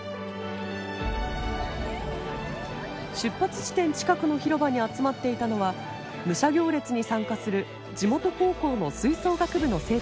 出発地点近くの広場に集まっていたのは武者行列に参加する地元高校の吹奏楽部の生徒たち。